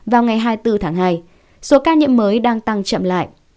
vào ngày hai mươi bốn tháng hai số ca nhiễm mới đang tăng chậm lại